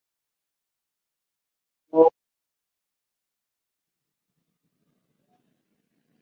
The following municipalities are contained in the Upper Athabasca Region.